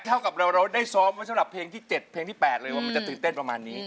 เท่ากับเราได้ซ้อมไว้สำหรับเพลงที่๗เพลงที่๘เลยว่ามันจะตื่นเต้นประมาณนี้